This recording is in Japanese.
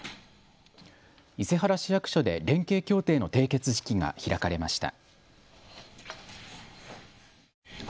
伊勢原市役所で連携協定の締結式が開かれました。